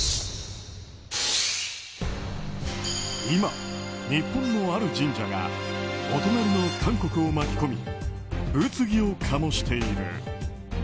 今、日本のある神社がお隣の韓国を巻き込み物議を醸している。